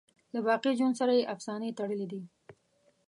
له باقی ژوند سره یې افسانې تړلي دي.